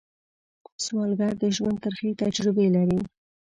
سوالګر د ژوند ترخې تجربې لري